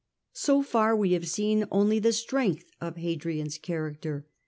So far we have seen only the strength of Hadrian's character.